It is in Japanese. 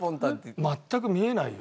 全く見えないよ。